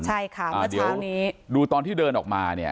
ใช่ค่ะเมื่อเช้านี้เอาเดี๋ยวดูตอนที่เดินออกมา